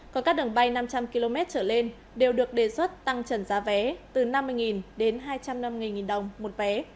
còn các đường bay năm trăm linh km trở lên đều được đề xuất tăng trần giá vé từ năm mươi đến hai trăm năm mươi đồng một vé